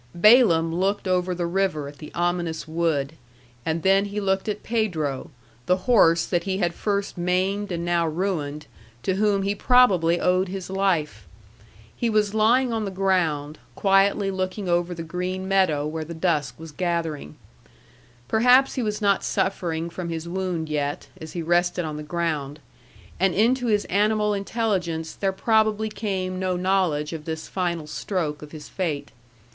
Balaam looked over the river at the ominous wood, and then he looked at Pedro, the horse that he had first maimed and now ruined, to whom he probably owed his life. He was lying on the ground, quietly looking over the green meadow, where dusk was gathering. Perhaps he was not suffering from his wound yet, as he rested on the ground; and into his animal intelligence there probably came no knowledge of this final stroke of his fate.